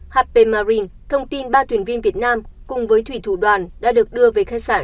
hp marine thông tin ba tuyển viên việt nam cùng với thủy thủ đoàn đã được đưa về khách sạn